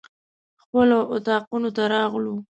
خپلو اطاقونو ته راغلو.